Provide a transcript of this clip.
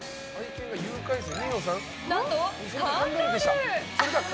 何と、カンガルー！